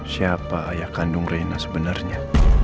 siapa ayah kandung rena sebenarnya